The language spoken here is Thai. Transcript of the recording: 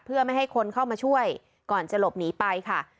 เพื่อไม่ให้คนเข้ามาช่วยก่อนจะหลบหนีไปค่ะ